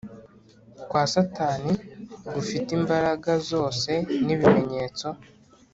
Kwa satani gufite imbaraga zose n ibimenyetso